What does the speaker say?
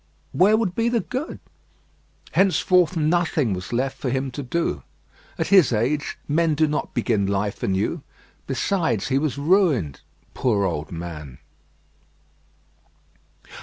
where would be the good? Henceforth nothing was left for him to do. At his age men do not begin life anew. Besides, he was ruined. Poor old man!